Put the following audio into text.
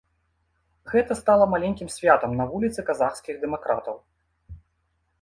Гэта стала маленькім святам на вуліцы казахскіх дэмакратаў.